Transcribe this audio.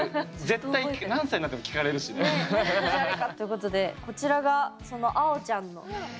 絶対何歳になっても聞かれるしね。ね。ということでこちらがそのあおちゃんの作品です！